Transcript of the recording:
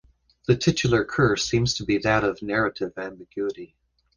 The titular curse seems to be that of narrative ambiguity.